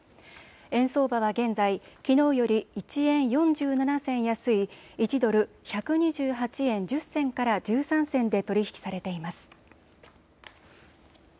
円相場は現在、きのうより１円４７銭安い１ドル１２８円１０銭から１３銭で取り引きされています。